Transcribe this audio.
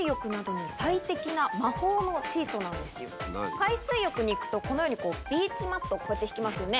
海水浴に行くとこのようにビーチマットをこうやって敷きますよね。